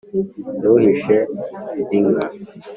ntuhishe inka,